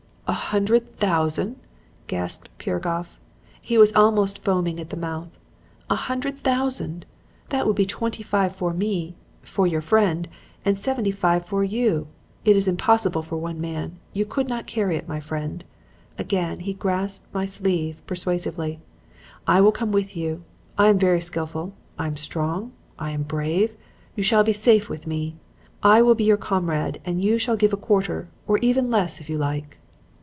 "'A hundred thousand!' gasped Piragoff. He was almost foaming at the mouth. 'A hundred thousand! That would be twenty five for me for your friend and seventy five for you. It is impossible for one man. You could not carry it. My friend,' again he grasped my sleeve persuasively, 'I will come with you. I am very skilful. I am strong. I am brave. You shall be safe with me. I will be your comrade and you shall give a quarter or even less if you like.'